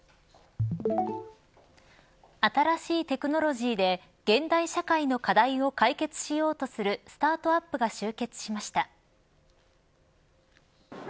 新しいテクノロジーで現代社会の課題を解決しようとするスタートアップが集結しました。